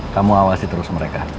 kamu awasi terus mereka